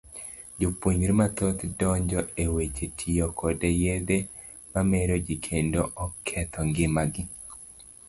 Jopuonjre mathoth nodonjo e weche tiyo koda yedhe mameroji kendo oketho ng'ima gi.